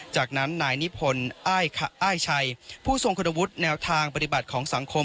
จากนั้นนายนิพนธ์อ้ายชัยผู้ทรงคุณวุฒิแนวทางปฏิบัติของสังคม